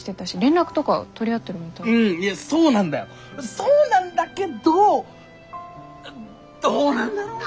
そうなんだけどどうなんだろうな。